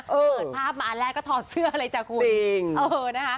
เปิดภาพมาอันแรกก็ถอดเสื้อเลยจ้ะคุณจริง